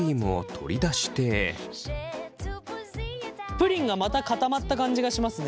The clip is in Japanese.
プリンがまた固まった感じがしますね。